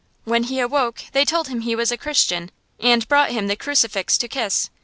When he awoke, they told him he was a Christian, and brought him the crucifix to kiss.